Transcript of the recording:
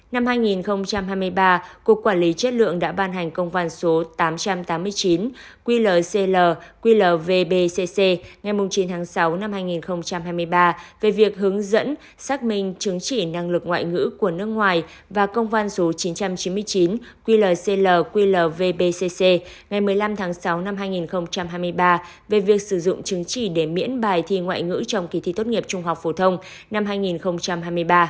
năm hai nghìn hai mươi ba cục quản lý chất lượng đã ban hành công văn số tám trăm tám mươi chín qlcl qlvbcc ngày chín tháng sáu năm hai nghìn hai mươi ba về việc hướng dẫn xác minh chứng chỉ năng lực ngoại ngữ của nước ngoài và công văn số chín trăm chín mươi chín qlcl qlvbcc ngày một mươi năm tháng sáu năm hai nghìn hai mươi ba về việc sử dụng chứng chỉ để miễn bài thi ngoại ngữ trong kỳ thi tốt nghiệp trung học phổ thông năm hai nghìn hai mươi ba